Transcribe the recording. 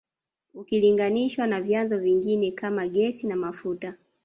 Ukilinganishwa na vyanzo vingine kama gesi na mafuta